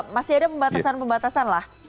masih ada pembatasan pembatasan lah